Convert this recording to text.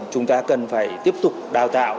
chúng ta cần phải tiếp tục đào tạo